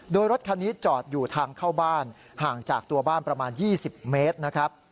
โดยรถคันนี้จอดอยู่ทางเข้าบ้านห่างจากตัวบ้านประมาณ๒๐เมตรนะครับ